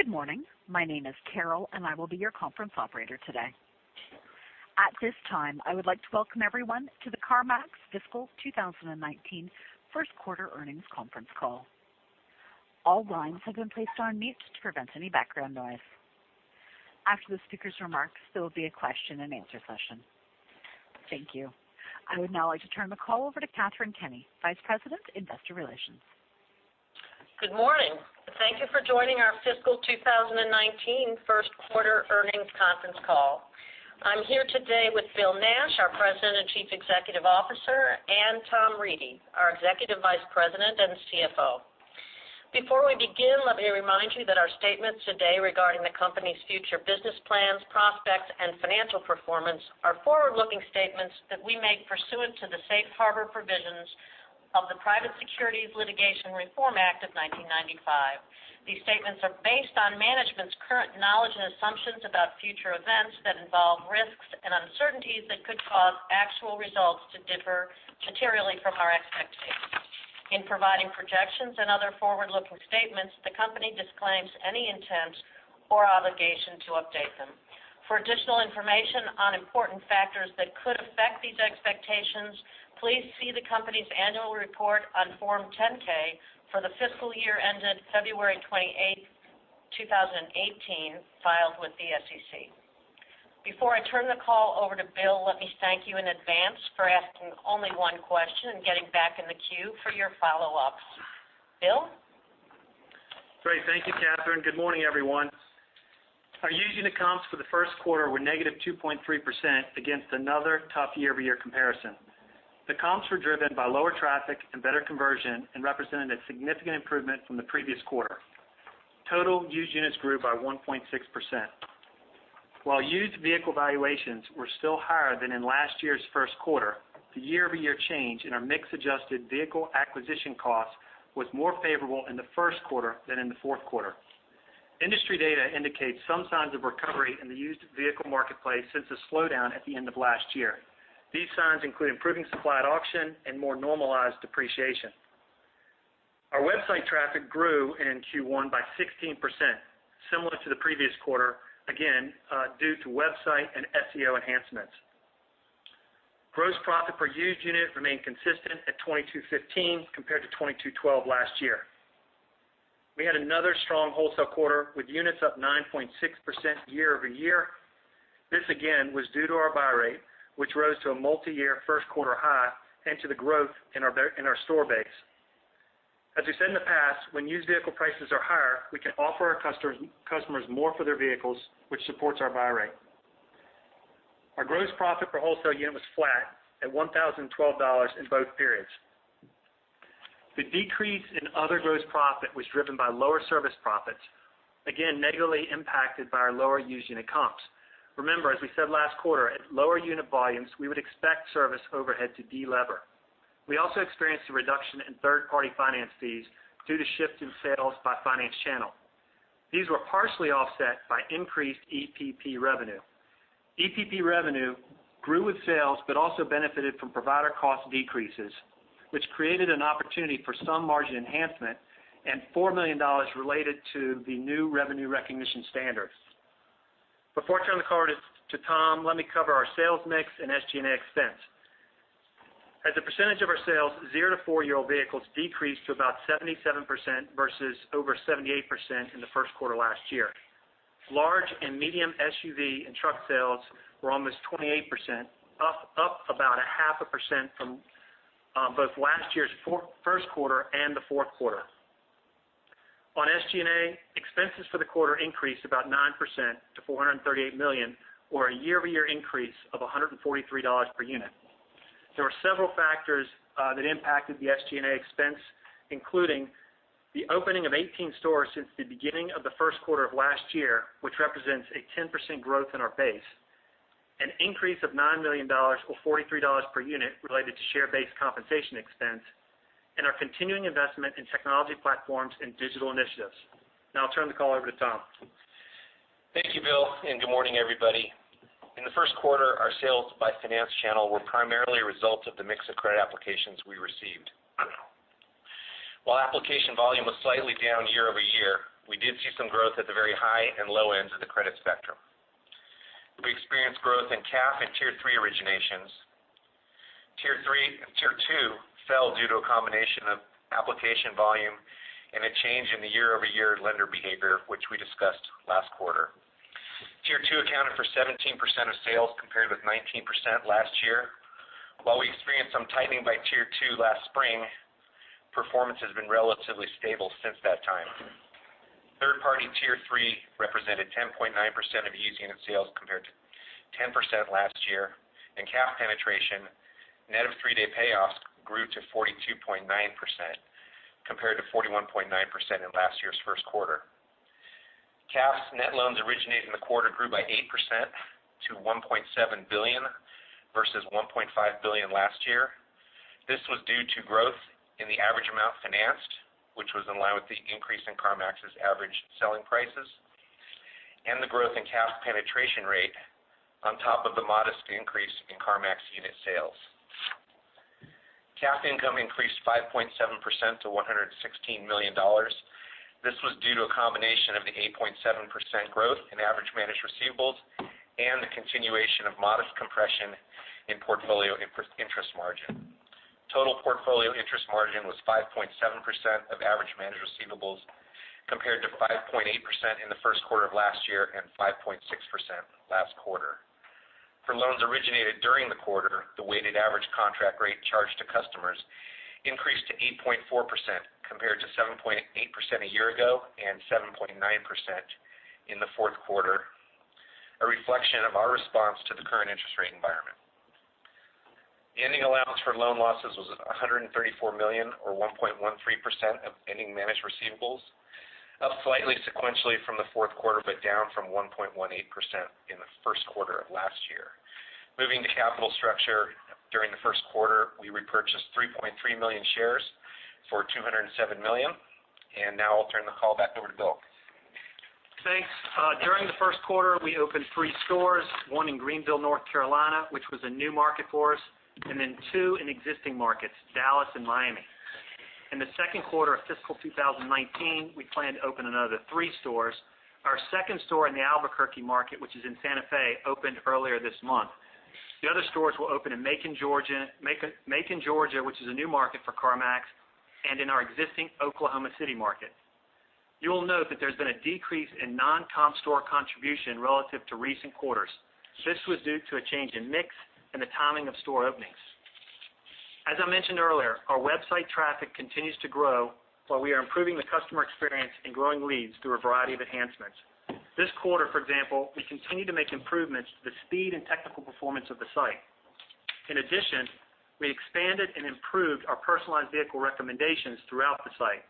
Good morning. My name is Carol, I will be your conference operator today. At this time, I would like to welcome everyone to the CarMax Fiscal 2019 First Quarter Earnings Conference Call. All lines have been placed on mute to prevent any background noise. After the speaker's remarks, there will be a question and answer session. Thank you. I would now like to turn the call over to Katharine Kenny, Vice President, Investor Relations. Good morning. Thank you for joining our Fiscal 2019 First Quarter Earnings Conference Call. I am here today with Bill Nash, our President and Chief Executive Officer, Tom Reedy, our Executive Vice President and CFO. Before we begin, let me remind you that our statements today regarding the company's future business plans, prospects, and financial performance are forward-looking statements that we make pursuant to the safe harbor provisions of the Private Securities Litigation Reform Act of 1995. These statements are based on management's current knowledge and assumptions about future events that involve risks and uncertainties that could cause actual results to differ materially from our expectations. In providing projections and other forward-looking statements, the company disclaims any intent or obligation to update them. For additional information on important factors that could affect these expectations, please see the company's annual report on Form 10-K for the fiscal year ended February 28th, 2018, filed with the SEC. Before I turn the call over to Bill, let me thank you in advance for asking only one question and getting back in the queue for your follow-ups. Bill? Great. Thank you, Katharine. Good morning, everyone. Our used unit comps for the first quarter were negative 2.3% against another tough year-over-year comparison. The comps were driven by lower traffic and better conversion, represented a significant improvement from the previous quarter. Total used units grew by 1.6%. While used vehicle valuations were still higher than in last year's first quarter, the year-over-year change in our mix adjusted vehicle acquisition cost was more favorable in the first quarter than in the fourth quarter. Industry data indicates some signs of recovery in the used vehicle marketplace since the slowdown at the end of last year. These signs include improving supply at auction and more normalized depreciation. Our website traffic grew in Q1 by 16%, similar to the previous quarter, again, due to website and SEO enhancements. Gross profit per used unit remained consistent at $2,215 compared to $2,212 last year. We had another strong wholesale quarter with units up 9.6% year-over-year. This again, was due to our buy rate, which rose to a multiyear first quarter high and to the growth in our store base. As we said in the past, when used vehicle prices are higher, we can offer our customers more for their vehicles, which supports our buy rate. Our gross profit per wholesale unit was flat at $1,012 in both periods. The decrease in other gross profit was driven by lower service profits, again, negatively impacted by our lower used unit comps. Remember, as we said last quarter, at lower unit volumes, we would expect service overhead to delever. We also experienced a reduction in third-party finance fees due to shift in sales by finance channel. These were partially offset by increased EPP revenue. EPP revenue grew with sales but also benefited from provider cost decreases, which created an opportunity for some margin enhancement and $4 million related to the new revenue recognition standards. Before I turn the call to Tom, let me cover our sales mix and SG&A expense. As a percentage of our sales, zero to four-year-old vehicles decreased to about 77% versus over 78% in the first quarter of last year. Large and medium SUV and truck sales were almost 28%, up about a half a percent from both last year's first quarter and the fourth quarter. On SG&A, expenses for the quarter increased about 9% to $438 million or a year-over-year increase of $143 per unit. There were several factors that impacted the SG&A expense, including the opening of 18 stores since the beginning of the first quarter of last year, which represents a 10% growth in our base. An increase of $9 million or $43 per unit related to share-based compensation expense and our continuing investment in technology platforms and digital initiatives. I'll turn the call over to Tom. Thank you, Bill, and good morning, everybody. In the first quarter, our sales by finance channel were primarily a result of the mix of credit applications we received. While application volume was slightly down year-over-year, we did see some growth at the very high and low ends of the credit spectrum. We experienced growth in CAF and Tier 3 originations. Tier 2 fell due to a combination of application volume and a change in the year-over-year lender behavior, which we discussed last quarter. Tier 2 accounted for 17% of sales compared with 19% last year. While we experienced some tightening by Tier 2 last spring, performance has been relatively stable since that time. Third party Tier 3 represented 10.9% of used unit sales compared to 10% last year, and CAF penetration, net of three-day payoffs grew to 42.9% compared to 41.9% in last year's first quarter. CAF's net loans originated in the quarter grew by 8% to $1.7 billion versus $1.5 billion last year. This was due to growth in the average amount financed, which was in line with the increase in CarMax's average selling prices and the growth in CAF penetration rate on top of the modest increase in CarMax unit sales. CAF income increased 5.7% to $116 million. This was due to a combination of the 8.7% growth in average managed receivables and the continuation of modest compression in portfolio interest margin. Total portfolio interest margin was 5.7% of average managed receivables, compared to 5.8% in the first quarter of last year and 5.6% last quarter. For loans originated during the quarter, the weighted average contract rate charged to customers increased to 8.4%, compared to 7.8% a year ago and 7.9% in the fourth quarter, a reflection of our response to the current interest rate environment. The ending allowance for loan losses was $134 million or 1.13% of ending managed receivables. Up slightly sequentially from the fourth quarter, but down from 1.18% in the first quarter of last year. Moving to capital structure. During the first quarter, we repurchased 3.3 million shares for $207 million. Now I'll turn the call back over to Bill. Thanks. During the first quarter, we opened three stores, one in Greenville, North Carolina, which was a new market for us, and two in existing markets, Dallas and Miami. In the second quarter of fiscal 2019, we plan to open another three stores. Our second store in the Albuquerque market, which is in Santa Fe, opened earlier this month. The other stores will open in Macon, Georgia, which is a new market for CarMax, and in our existing Oklahoma City market. You will note that there's been a decrease in non-comp store contribution relative to recent quarters. This was due to a change in mix and the timing of store openings. As I mentioned earlier, our website traffic continues to grow while we are improving the customer experience and growing leads through a variety of enhancements. This quarter, for example, we continue to make improvements to the speed and technical performance of the site. In addition, we expanded and improved our personalized vehicle recommendations throughout the site.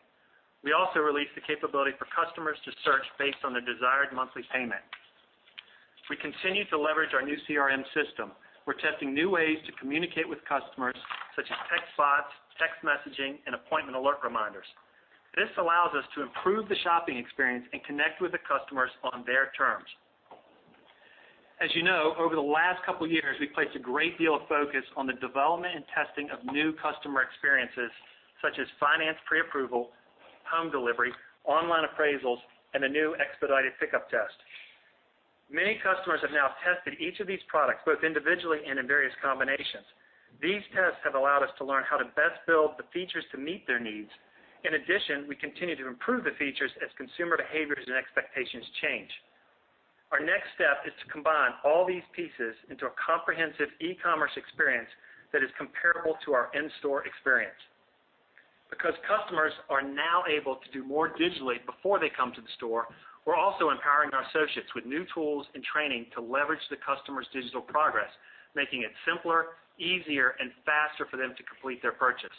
We also released the capability for customers to search based on their desired monthly payment. We continue to leverage our new CRM system. We're testing new ways to communicate with customers such as text bots, text messaging, and appointment alert reminders. This allows us to improve the shopping experience and connect with the customers on their terms. As you know, over the last couple of years, we placed a great deal of focus on the development and testing of new customer experiences such as finance pre-approval, home delivery, online appraisals, and the new expedited pickup test. Many customers have now tested each of these products, both individually and in various combinations. These tests have allowed us to learn how to best build the features to meet their needs. In addition, we continue to improve the features as consumer behaviors and expectations change. Our next step is to combine all these pieces into a comprehensive e-commerce experience that is comparable to our in-store experience. Because customers are now able to do more digitally before they come to the store, we're also empowering our associates with new tools and training to leverage the customer's digital progress, making it simpler, easier, and faster for them to complete their purchase.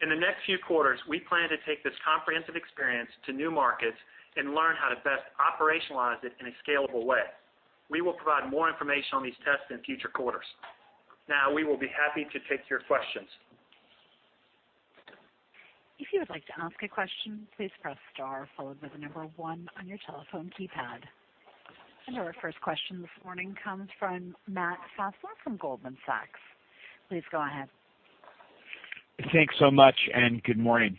In the next few quarters, we plan to take this comprehensive experience to new markets and learn how to best operationalize it in a scalable way. We will provide more information on these tests in future quarters. Now, we will be happy to take your questions. If you would like to ask a question, please press star followed by 1 on your telephone keypad. Our first question this morning comes from Matt Fassler from Goldman Sachs. Please go ahead. Thanks so much. Good morning.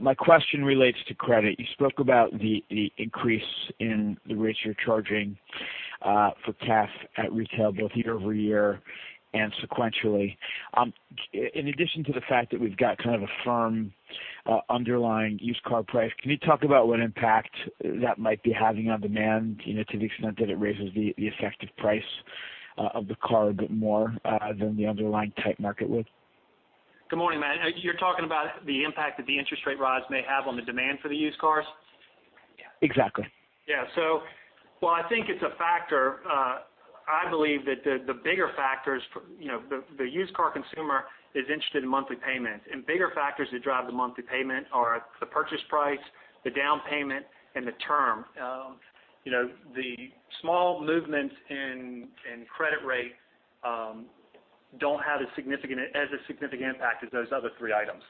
My question relates to credit. You spoke about the increase in the rates you're charging for CAF at retail, both year-over-year and sequentially. In addition to the fact that we've got kind of a firm underlying used vehicle price, can you talk about what impact that might be having on demand, to the extent that it raises the effective price of the car a bit more than the underlying tight market would? Good morning, Matt. You're talking about the impact that the interest rate rise may have on the demand for the used cars? Exactly. Yeah. While I think it's a factor, I believe that the used car consumer is interested in monthly payment, and bigger factors that drive the monthly payment are the purchase price, the down payment, and the term. The small movements in credit rate don't have as a significant impact as those other three items.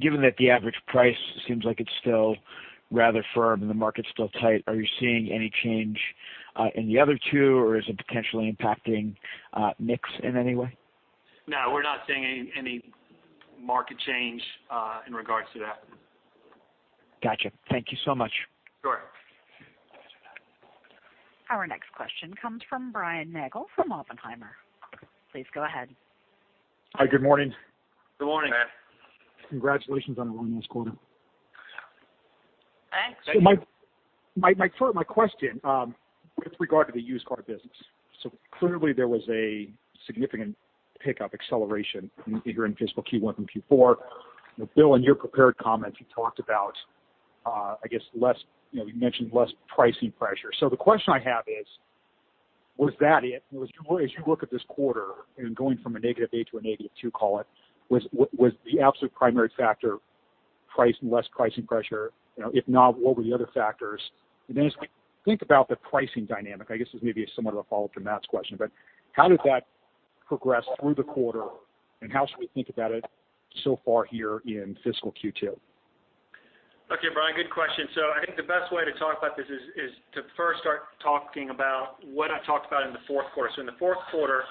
Given that the average price seems like it's still rather firm and the market's still tight, are you seeing any change in the other two, or is it potentially impacting mix in any way? No, we're not seeing any market change in regards to that. Got you. Thank you so much. Sure. Our next question comes from Brian from Oppenheimer. Please go ahead. Hi, good morning. Good morning. Good morning. Congratulations on a really nice quarter. Thanks. My question with regard to the used car business. Clearly there was a significant pickup acceleration in fiscal Q1 from Q4. Bill, in your prepared comments, you mentioned less pricing pressure. The question I have is, was that it? As you look at this quarter and going from a negative eight to a negative two, call it, was the absolute primary factor less pricing pressure? If not, what were the other factors? And then as we think about the pricing dynamic, I guess this may be a somewhat of a follow-up to Matt's question, but how did that progress through the quarter, and how should we think about it so far here in fiscal Q2? Okay, Brian, good question. I think the best way to talk about this is to first start talking about what I talked about in the fourth quarter. In the fourth quarter,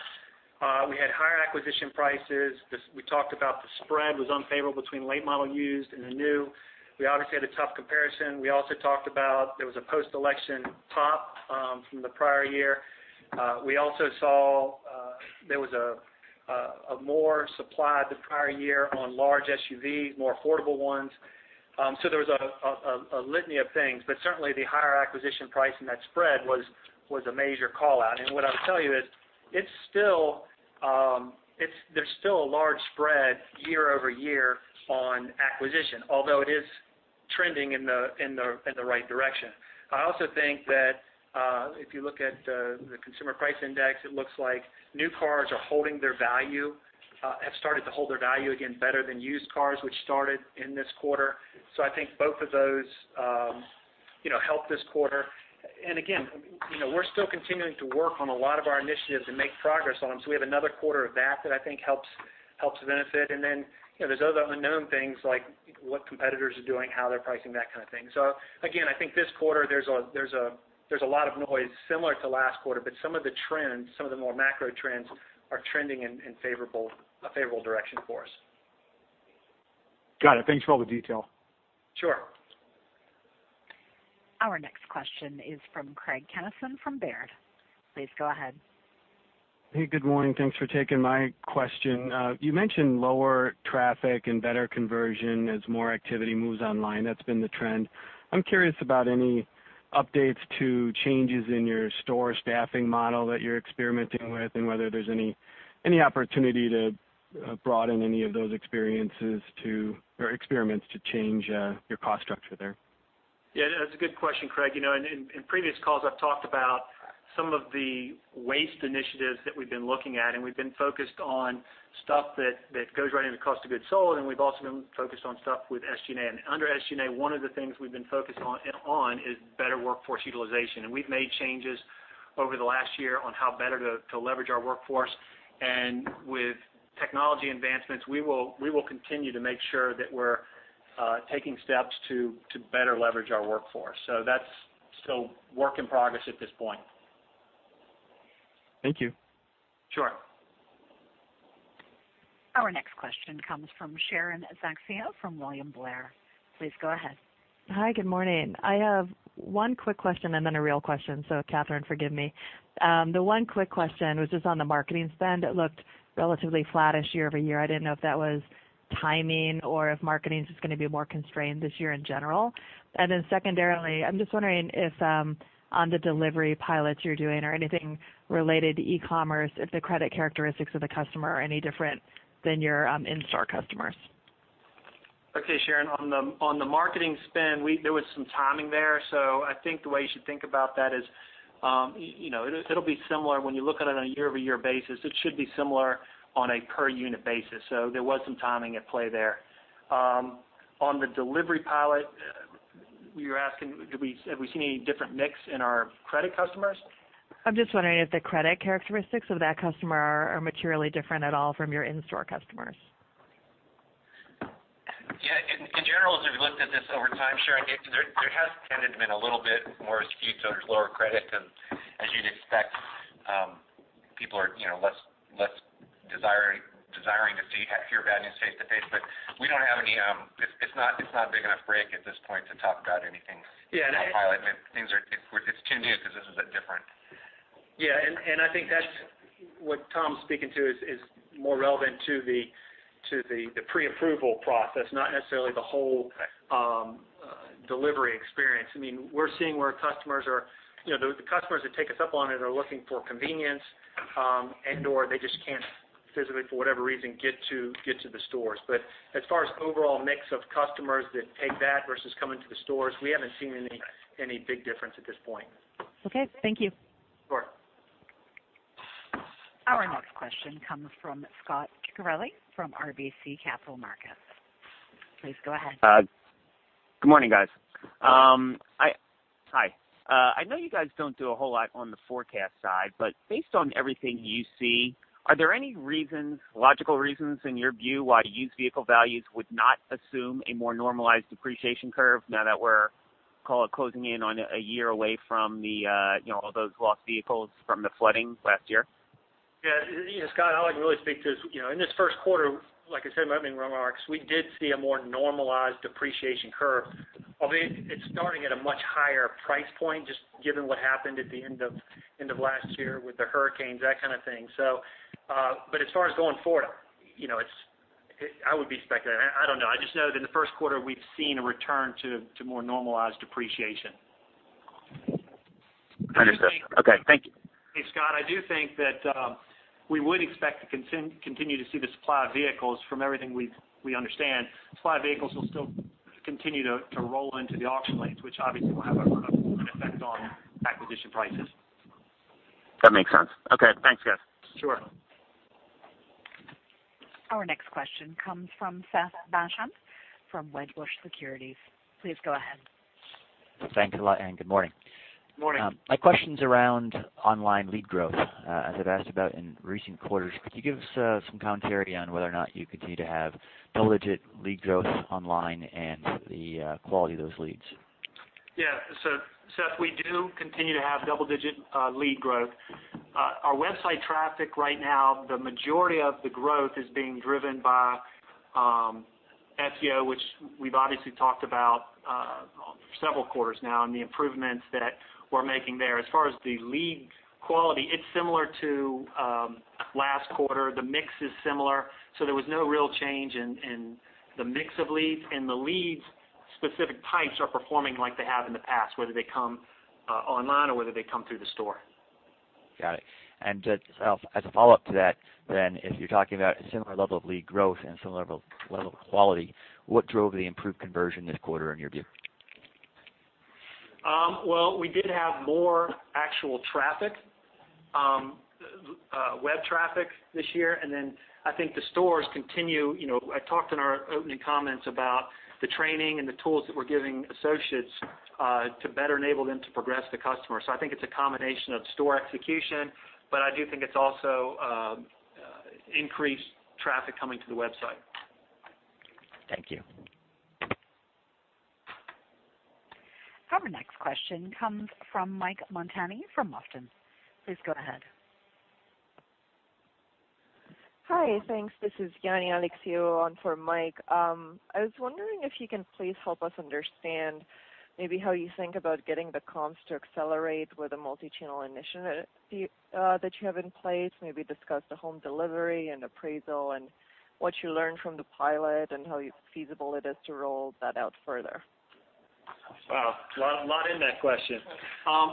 we had higher acquisition prices. We talked about the spread was unfavorable between late model used and the new. We obviously had a tough comparison. We also talked about there was a post-election pop from the prior year. We also saw there was more supply the prior year on large SUV, more affordable ones. There was a litany of things, but certainly the higher acquisition price and that spread was a major call-out. What I would tell you is there's still a large spread year-over-year on acquisition, although it is trending in the right direction. I also think that if you look at the Consumer Price Index, it looks like new cars have started to hold their value again better than used cars, which started in this quarter. I think both of those helped this quarter. Again, we're still continuing to work on a lot of our initiatives and make progress on them. We have another quarter of that I think helps benefit. Then, there's other unknown things like what competitors are doing, how they're pricing, that kind of thing. Again, I think this quarter, there's a lot of noise similar to last quarter, but some of the more macro trends are trending in a favorable direction for us. Got it. Thanks for all the detail. Sure. Our next question is from Craig Kennison from Baird. Please go ahead. Hey, good morning. Thanks for taking my question. You mentioned lower traffic and better conversion as more activity moves online. That's been the trend. I'm curious about any updates to changes in your store staffing model that you're experimenting with, and whether there's any opportunity to broaden any of those experiments to change your cost structure there. Yeah, that's a good question, Craig. In previous calls, I've talked about some of the waste initiatives that we've been looking at, we've been focused on stuff that goes right into cost of goods sold, we've also been focused on stuff with SG&A. Under SG&A, one of the things we've been focused on is better workforce utilization. We've made changes over the last year on how better to leverage our workforce. With technology advancements, we will continue to make sure that we're taking steps to better leverage our workforce. That's still work in progress at this point. Thank you. Sure. Our next question comes from Sharon Zackfia from William Blair. Please go ahead. Hi, good morning. I have one quick question and then a real question. Katharine, forgive me. The one quick question was just on the marketing spend. It looked relatively flatish year-over-year. I didn't know if that was timing or if marketing is just going to be more constrained this year in general. Secondarily, I'm just wondering if on the delivery pilots you're doing or anything related to e-commerce, if the credit characteristics of the customer are any different than your in-store customers. Okay, Sharon. On the marketing spend, there was some timing there. I think the way you should think about that is, it'll be similar when you look at it on a year-over-year basis. It should be similar on a per unit basis. There was some timing at play there. On the delivery pilot, you're asking, have we seen any different mix in our credit customers? I'm just wondering if the credit characteristics of that customer are materially different at all from your in-store customers. Yeah. In general, as we've looked at this over time, Sharon, I think there has tended to been a little bit more skewed towards lower credit than as you'd expect. People are less desiring to see your bad news face to face, it's not a big enough break at this point to talk about anything. Yeah. On the pilot. It's too new because this is a bit different. Yeah, I think that what Tom's speaking to is more relevant to the pre-approval process, not necessarily the whole delivery experience. The customers that take us up on it are looking for convenience, and/or they just can't physically, for whatever reason, get to the stores. As far as overall mix of customers that take that versus coming to the stores, we haven't seen any big difference at this point. Okay. Thank you. Sure. Our next question comes from Scot Ciccarelli from RBC Capital Markets. Please go ahead. Good morning, guys. Scot. Hi. I know you guys don't do a whole lot on the forecast side, but based on everything you see, are there any logical reasons in your view why used vehicle values would not assume a more normalized depreciation curve now that we're closing in on a year away from all those lost vehicles from the flooding last year? Yeah. Scot, I can really speak to this. In this first quarter, like I said in my opening remarks, we did see a more normalized depreciation curve, although it's starting at a much higher price point, just given what happened at the end of last year with the hurricanes, that kind of thing. As far as going forward, I would be speculating. I don't know. I just know that in the first quarter, we've seen a return to more normalized depreciation. Understood. Okay. Thank you. Hey, Scot, I do think that we would expect to continue to see the supply of vehicles from everything we understand. Supply of vehicles will still continue to roll into the auction lanes, which obviously will have an effect on acquisition prices. That makes sense. Okay. Thanks, guys. Sure. Our next question comes from Seth Basham from Wedbush Securities. Please go ahead. Thanks a lot, good morning. Good morning. My question's around online lead growth, as I've asked about in recent quarters. Could you give us some commentary on whether or not you continue to have double-digit lead growth online and the quality of those leads? Yeah. Seth, we do continue to have double-digit lead growth. Our website traffic right now, the majority of the growth is being driven by SEO, which we've obviously talked about for several quarters now and the improvements that we're making there. As far as the lead quality, it's similar to last quarter. The mix is similar, so there was no real change in the mix of leads. The lead-specific types are performing like they have in the past, whether they come online or whether they come through the store. Got it. As a follow-up to that, if you're talking about a similar level of lead growth and similar level of quality, what drove the improved conversion this quarter, in your view? We did have more actual traffic, web traffic this year. I think the stores continue. I talked in our opening comments about the training and the tools that we're giving associates to better enable them to progress the customer. I think it's a combination of store execution, but I do think it's also increased traffic coming to the website. Thank you. Our next question comes from Michael Montani from MoffettNathanson. Please go ahead. Hi. Thanks. This is Iani Alecsiu on for Mike. I was wondering if you can please help us understand maybe how you think about getting the comps to accelerate with a multi-channel initiative that you have in place. Maybe discuss the home delivery and appraisal and what you learned from the pilot and how feasible it is to roll that out further. Wow, a lot in that question.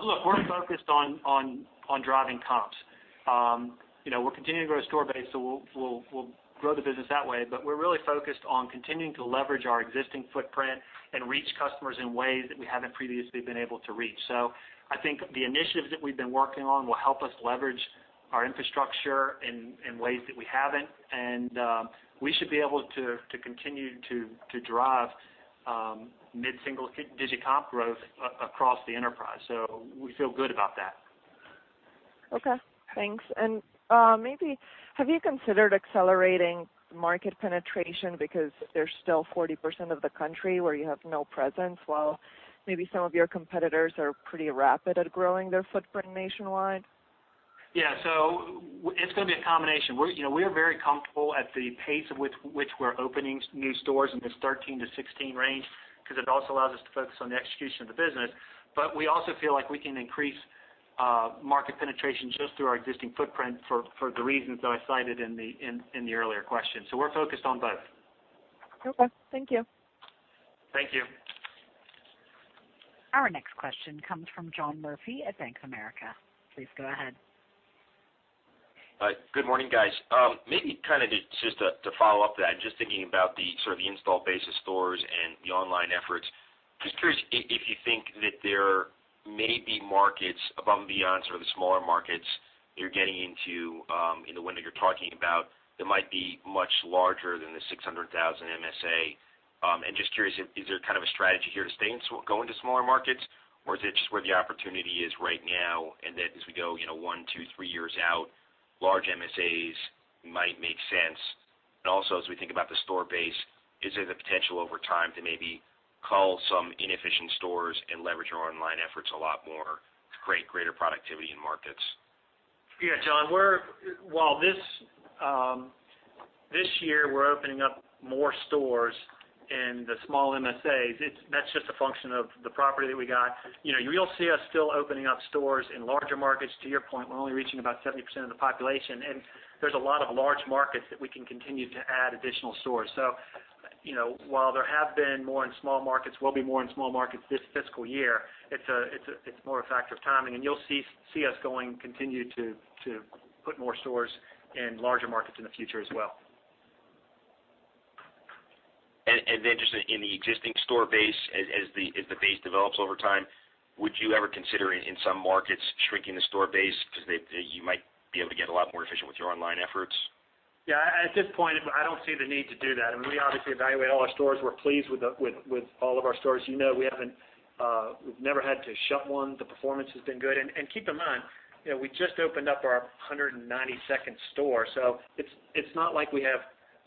Look, we're focused on driving comps. We're continuing to grow store base, so we'll grow the business that way, but we're really focused on continuing to leverage our existing footprint and reach customers in ways that we haven't previously been able to reach. I think the initiatives that we've been working on will help us leverage our infrastructure in ways that we haven't, and we should be able to continue to drive mid-single-digit comp growth across the enterprise. We feel good about that. Okay, thanks. Maybe have you considered accelerating market penetration because there's still 40% of the country where you have no presence, while maybe some of your competitors are pretty rapid at growing their footprint nationwide? Yeah, it's going to be a combination. We are very comfortable at the pace at which we're opening new stores in this 13-16 range because it also allows us to focus on the execution of the business. We also feel like we can increase market penetration just through our existing footprint for the reasons that I cited in the earlier question. We're focused on both. Okay, thank you. Thank you. Our next question comes from John Murphy at Bank of America. Please go ahead. Good morning, guys. Maybe kind of just to follow up to that, just thinking about the sort of install base of stores and the online efforts. Just curious if you think that there may be markets above and beyond sort of the smaller markets you're getting into in the one that you're talking about that might be much larger than the 600,000 MSA. Just curious, is there kind of a strategy here to stay and go into smaller markets, or is it just where the opportunity is right now and that as we go one, two, three years out, large MSAs might make sense? Also, as we think about the store base, is there the potential over time to maybe cull some inefficient stores and leverage our online efforts a lot more to create greater productivity in markets? Yeah, John, while this year we're opening up more stores in the small MSAs, that's just a function of the property that we got. You'll see us still opening up stores in larger markets. To your point, we're only reaching about 70% of the population, there's a lot of large markets that we can continue to add additional stores. While there have been more in small markets, will be more in small markets this fiscal year, it's more a factor of timing. You'll see us going continue to put more stores in larger markets in the future as well. Just in the existing store base, as the base develops over time, would you ever consider in some markets shrinking the store base because you might be able to get a lot more efficient with your online efforts? Yeah, at this point, I don't see the need to do that. I mean, we obviously evaluate all our stores. We're pleased with all of our stores. We've never had to shut one. The performance has been good. Keep in mind, we just opened up our 192nd store, so it's not like we have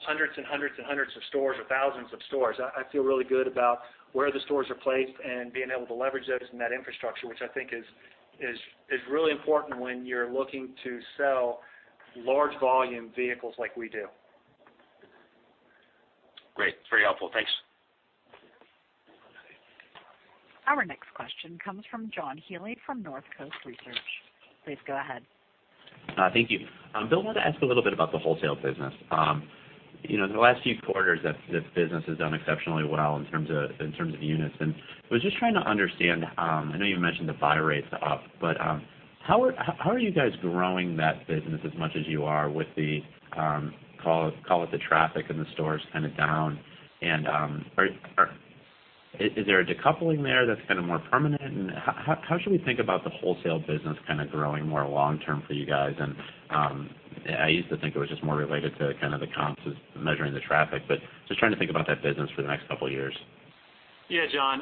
hundreds and hundreds of stores or thousands of stores. I feel really good about where the stores are placed and being able to leverage those and that infrastructure, which I think is really important when you're looking to sell large volume vehicles like we do. Great. Very helpful. Thanks. Our next question comes from John Healy from Northcoast Research. Please go ahead. Thank you. Bill, wanted to ask a little bit about the wholesale business. The last few quarters, that business has done exceptionally well in terms of units, and was just trying to understand, I know you mentioned the buy rates up, but how are you guys growing that business as much as you are with the, call it the traffic in the stores kind of down? Is there a decoupling there that's kind of more permanent? How should we think about the wholesale business kind of growing more long-term for you guys? I used to think it was just more related to kind of the comps as measuring the traffic, but just trying to think about that business for the next couple of years. Yeah, John.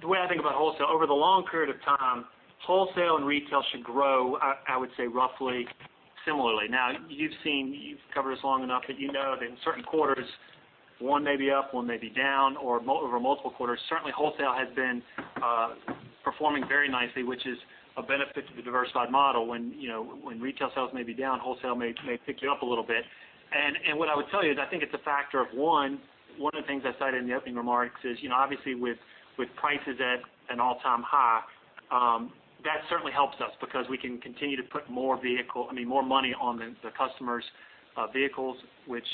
The way I think about wholesale, over the long period of time, wholesale and retail should grow, I would say roughly similarly. Now, you've covered us long enough that you know that in certain quarters, one may be up, one may be down, or over multiple quarters. Certainly, wholesale has been performing very nicely, which is a benefit to the diversified model. When retail sales may be down, wholesale may pick you up a little bit. What I would tell you is, I think it's a factor of one. One of the things I cited in the opening remarks is, obviously with prices at an all-time high, that certainly helps us because we can continue to put more money on the customer's vehicles, which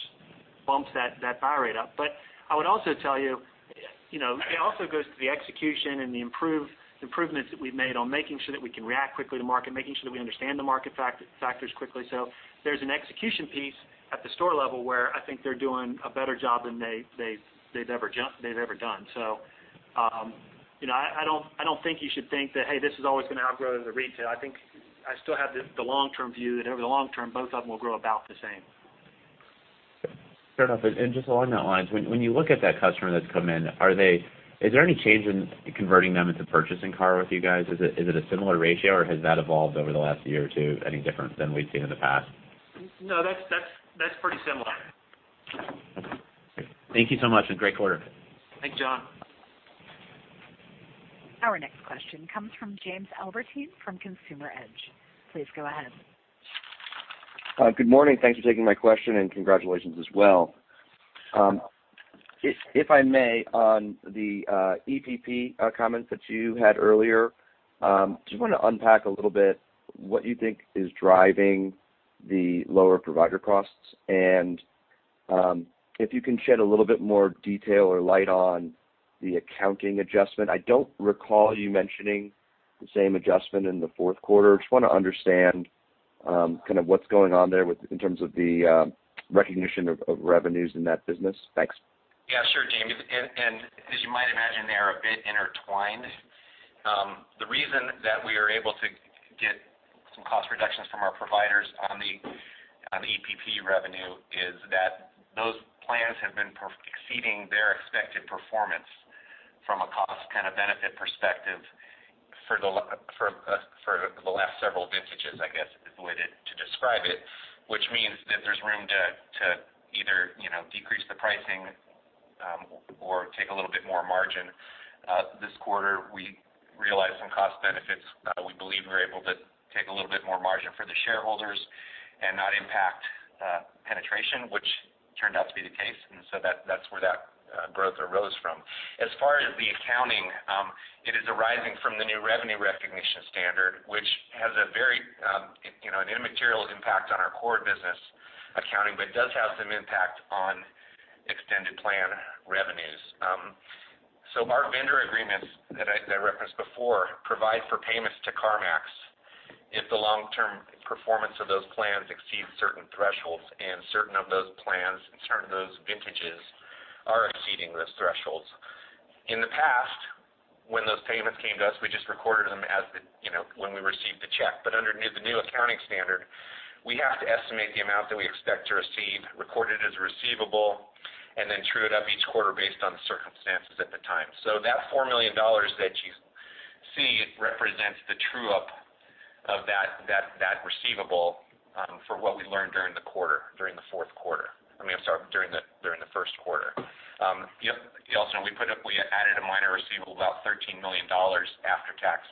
bumps that buy rate up. I would also tell you, it also goes to the execution and the improvements that we've made on making sure that we can react quickly to market, making sure that we understand the market factors quickly. There's an execution piece at the store level where I think they're doing a better job than they've ever done. I don't think you should think that, hey, this is always going to outgrow the retail. I think I still have the long-term view that over the long term, both of them will grow about the same. Fair enough. Just along that lines, when you look at that customer that's come in, is there any change in converting them into purchasing car with you guys? Is it a similar ratio or has that evolved over the last year or two any different than we've seen in the past? No, that's pretty similar. Thank you so much, great quarter. Thanks, John. Our next question comes from Jamie Albertine from Consumer Edge. Please go ahead. Good morning. Thanks for taking my question and congratulations as well. If I may, on the EPP comments that you had earlier, just want to unpack a little bit what you think is driving the lower provider costs and if you can shed a little more detail or light on the accounting adjustment. I don't recall you mentioning the same adjustment in the fourth quarter. Just want to understand kind of what's going on there in terms of the recognition of revenues in that business. Thanks. Yeah, sure, Jamie. As you might imagine, they are a bit intertwined. The reason that we are able to get some cost reductions from our providers on the EPP revenue is that those plans have been exceeding their expected performance from a cost kind of benefit perspective for the last several vintages, I guess, is the way to describe it, which means that there's room to either decrease the pricing or take a little bit more margin. This quarter, we realized some cost benefits. We believe we were able to take a little bit more margin for the shareholders and not impact penetration, which turned out to be the case. That's where that growth arose from. As far as the accounting, it is arising from the new revenue recognition standard, which has a very immaterial impact on our core business accounting, but does have some impact on extended plan revenues. Our vendor agreements that I referenced before provide for payments to CarMax if the long-term performance of those plans exceeds certain thresholds, and certain of those plans and certain of those vintages are exceeding those thresholds. In the past, when those payments came to us, we just recorded them when we received the check. Under the new accounting standard, we have to estimate the amount that we expect to receive, record it as a receivable, and then true it up each quarter based on the circumstances at the time. That $4 million that you see represents the true-up of that receivable for what we learned during the first quarter. Also, we added a minor receivable, about $13 million after tax,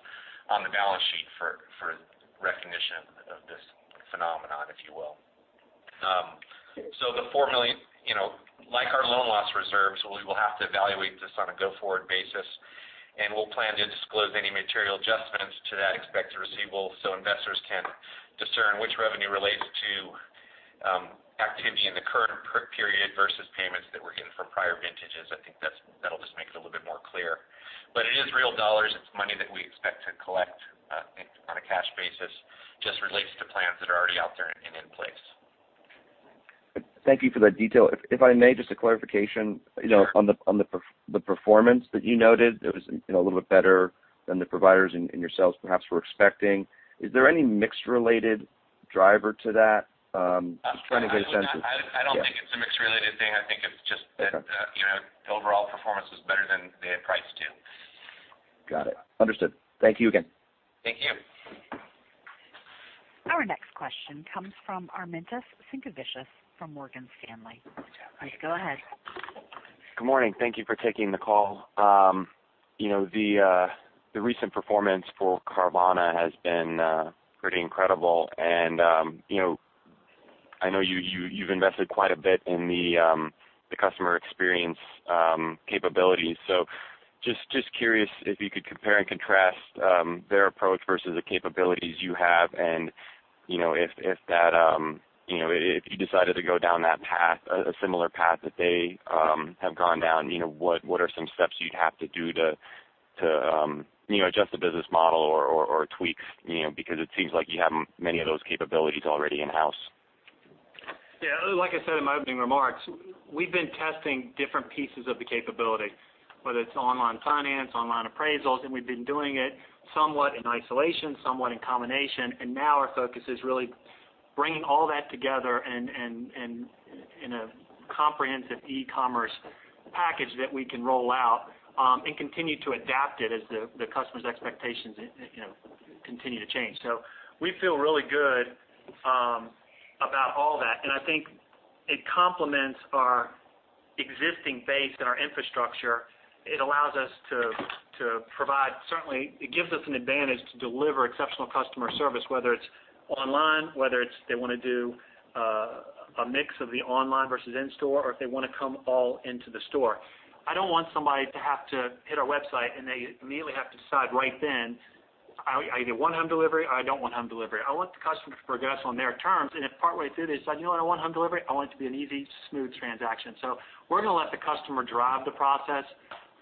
on the balance sheet for recognition of this phenomenon, if you will. The $4 million, like our loan loss reserves, we will have to evaluate this on a go-forward basis, and we'll plan to disclose any material adjustments to that expected receivable so investors can discern which revenue relates to activity in the current period versus payments that we're getting from prior vintages. I think that'll just make it a little bit more clear. It is real dollars. It's money that we expect to collect on a cash basis, just relates to plans that are already out there and in place. Thank you for that detail. If I may, just a clarification Sure on the performance that you noted. It was a little bit better than the providers and yourselves perhaps were expecting. Is there any mix-related driver to that? Just trying to get a sense of I don't think it's a mix-related thing. I think it's just that the overall performance was better than they had priced to. Got it. Understood. Thank you again. Thank you. Our next question comes from Armintas Sinkevicius from Morgan Stanley. Please go ahead. Good morning. Thank you for taking the call. The recent performance for Carvana has been pretty incredible, and I know you've invested quite a bit in the customer experience capabilities. Just curious if you could compare and contrast their approach versus the capabilities you have and if you decided to go down a similar path that they have gone down, what are some steps you'd have to do to adjust the business model or tweaks? It seems like you have many of those capabilities already in-house. Yeah. Like I said in my opening remarks, we've been testing different pieces of the capability, whether it's online finance, online appraisals, and we've been doing it somewhat in isolation, somewhat in combination, and now our focus is really bringing all that together in a comprehensive e-commerce package that we can roll out and continue to adapt it as the customers' expectations continue to change. We feel really good about all that, and I think it complements our existing base and our infrastructure. It allows us to provide, certainly, it gives us an advantage to deliver exceptional customer service, whether it's online, whether it's they want to do a mix of the online versus in-store, or if they want to come all into the store. I don't want somebody to have to hit our website, and they immediately have to decide right then, I either want home delivery, or I don't want home delivery. I want the customer to progress on their terms, and if partway through they decide, you know what? I want home delivery, I want it to be an easy, smooth transaction. We're going to let the customer drive the process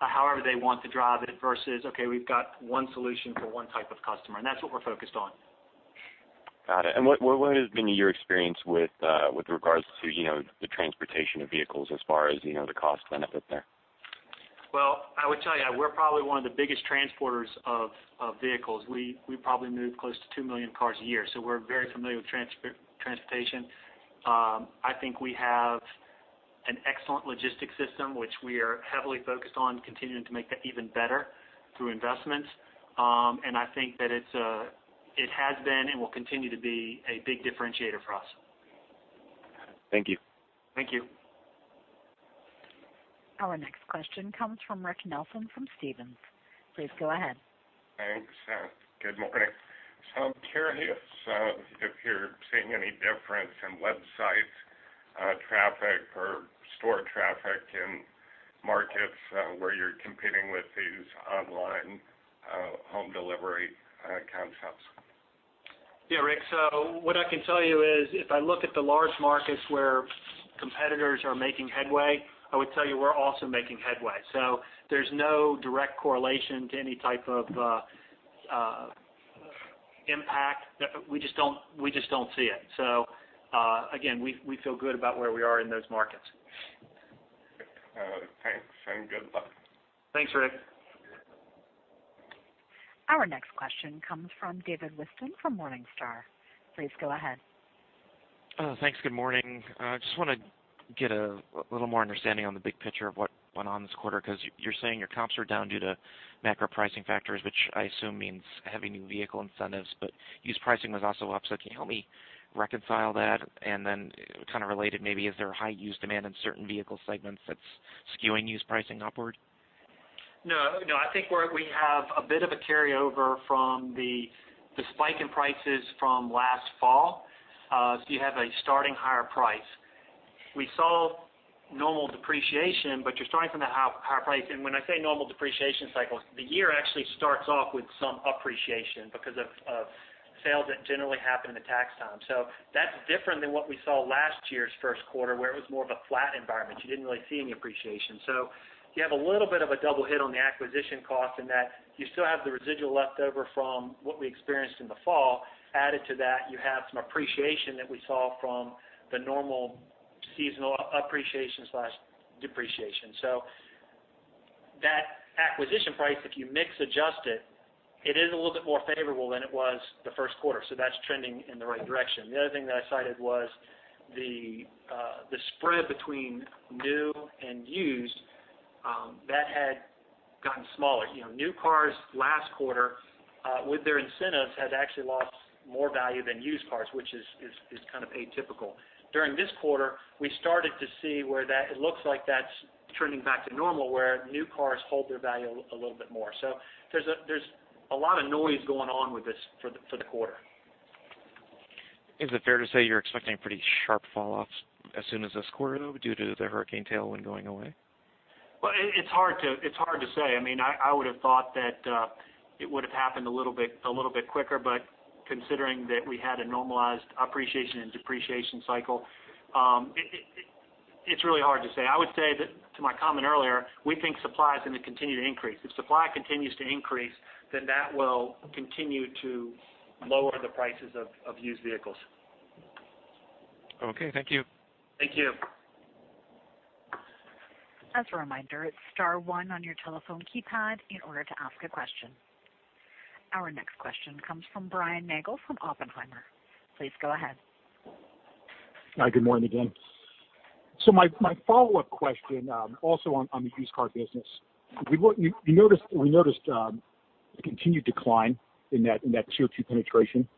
however they want to drive it versus, okay, we've got one solution for one type of customer, and that's what we're focused on. Got it. What has been your experience with regards to the transportation of vehicles as far as the cost benefit there? Well, I would tell you, we're probably one of the biggest transporters of vehicles. We probably move close to 2 million cars a year, so we're very familiar with transportation. I think we have an excellent logistics system, which we are heavily focused on continuing to make that even better through investments. I think that it has been and will continue to be a big differentiator for us. Got it. Thank you. Thank you. Our next question comes from Rick Nelson from Stephens. Please go ahead. Thanks. Good morning. I'm curious if you're seeing any difference in website traffic or store traffic in markets where you're competing with these online home delivery concepts. Yeah, Rick. What I can tell you is, if I look at the large markets where competitors are making headway, I would tell you we're also making headway. There's no direct correlation to any type of impact. We just don't see it. Again, we feel good about where we are in those markets. Okay. Thanks, and good luck. Thanks, Rick. Our next question comes from David Whiston from Morningstar. Please go ahead. Thanks. Good morning. I just want to get a little more understanding on the big picture of what went on this quarter, because you're saying your comps were down due to macro pricing factors, which I assume means heavy new vehicle incentives, but used pricing was also up. Can you help me reconcile that? Kind of related, maybe, is there high used demand in certain vehicle segments that's skewing used pricing upward? No. I think we have a bit of a carryover from the spike in prices from last fall. You have a starting higher price. We saw normal depreciation, but you're starting from that higher price. When I say normal depreciation cycle, the year actually starts off with some appreciation because of sales that generally happen in the tax time. That's different than what we saw last year's first quarter, where it was more of a flat environment. You didn't really see any appreciation. You have a little bit of a double hit on the acquisition cost in that you still have the residual leftover from what we experienced in the fall. Added to that, you have some appreciation that we saw from the normal seasonal appreciation/depreciation. That acquisition price, if you mix adjust it is a little bit more favorable than it was the first quarter. That's trending in the right direction. The other thing that I cited was the spread between new and used. That had gotten smaller. New cars last quarter, with their incentives, had actually lost more value than used cars, which is kind of atypical. During this quarter, we started to see where it looks like that's turning back to normal, where new cars hold their value a little bit more. There's a lot of noise going on with this for the quarter. Is it fair to say you're expecting pretty sharp falloffs as soon as this quarter, though, due to the hurricane tailwind going away? Well, it's hard to say. I would have thought that it would have happened a little bit quicker. Considering that we had a normalized appreciation and depreciation cycle, it's really hard to say. I would say that to my comment earlier, we think supply is going to continue to increase. If supply continues to increase, then that will continue to lower the prices of used vehicles. Okay. Thank you. Thank you. As a reminder, it's star one on your telephone keypad in order to ask a question. Our next question comes from Brian Nagel from Oppenheimer. Please go ahead. Hi, good morning again. My follow-up question, also on the used car business. We noticed a continued decline in that Tier 2 penetration.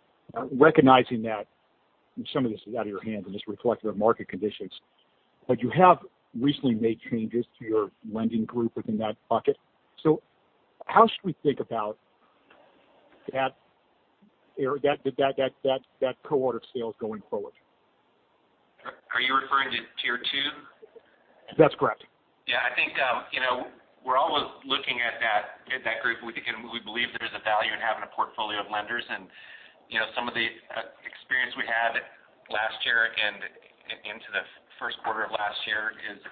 Recognizing that some of this is out of your hands and just reflective of market conditions. You have recently made changes to your lending group within that bucket. How should we think about that cohort of sales going forward? Are you referring to Tier 2? That's correct. I think we're always looking at that group. We believe there's a value in having a portfolio of lenders, and some of the experience we had last year and into the first quarter of last year is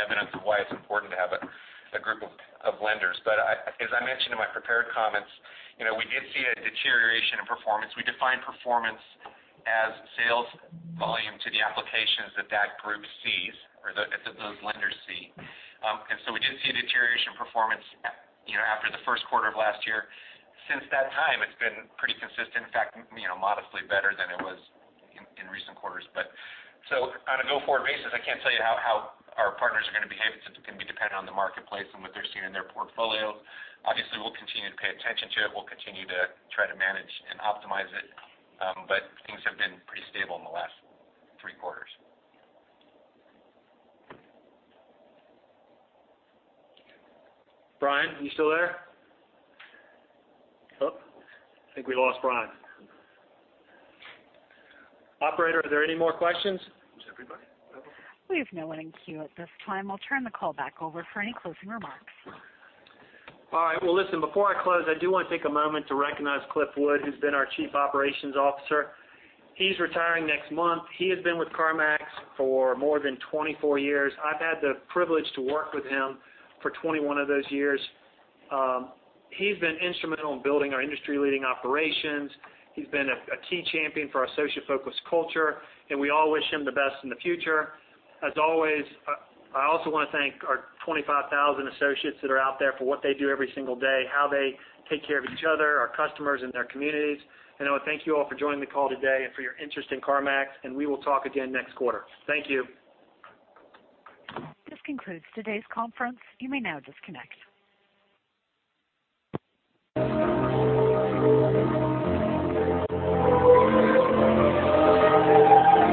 evidence of why it's important to have a group of lenders. As I mentioned in my prepared comments, we did see a deterioration in performance. We define performance as sales volume to the applications that that group sees or that those lenders see. We did see a deterioration in performance after the first quarter of last year. Since that time, it's been pretty consistent, in fact, modestly better than it was in recent quarters. On a go-forward basis, I can't tell you how our partners are going to behave. It's going to be dependent on the marketplace and what they're seeing in their portfolios. Obviously, we'll continue to pay attention to it. We'll continue to try to manage and optimize it. Things have been pretty stable in the last three quarters. Brian, you still there? I think we lost Brian. Operator, are there any more questions? We have no one in queue at this time. I'll turn the call back over for any closing remarks. All right. Well, listen, before I close, I do want to take a moment to recognize Cliff Wood, who's been our Chief Operating Officer. He's retiring next month. He has been with CarMax for more than 24 years. I've had the privilege to work with him for 21 of those years. He's been instrumental in building our industry-leading operations. He's been a key champion for our associate-focused culture, we all wish him the best in the future. As always, I also want to thank our 25,000 associates that are out there for what they do every single day, how they take care of each other, our customers, and their communities. I want to thank you all for joining the call today and for your interest in CarMax, we will talk again next quarter. Thank you. This concludes today's conference. You may now disconnect.